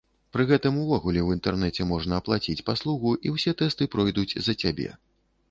Пры гэтым увогуле ў інтэрнэце можна аплаціць паслугу, і ўсе тэсты пройдуць за цябе.